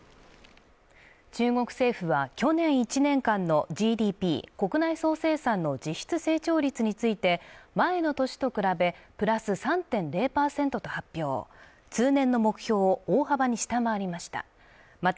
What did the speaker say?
中国政府は去年１年間のＧＤＰ＝国内総生産の実質成長率について前の年と比べプラス３．０％と発表通年の目標を大幅に下回りました